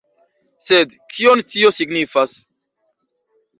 Sed kion tio signifas?